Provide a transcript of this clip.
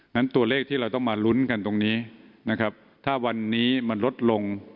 นั้นตัวเลขที่เราต้องมาลุ้นกันตรงนี้นะครับถ้าวันนี้มันลดลง